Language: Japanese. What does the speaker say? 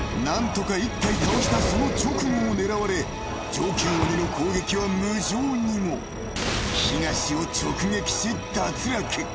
なんとか１体倒したその直後を狙われ上級鬼の攻撃は無情にも東を直撃し脱落